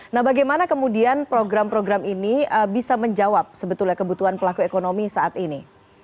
nah bagaimana kemudian program program ini bisa menjawab sebetulnya kebutuhan pelaku ekonomi saat ini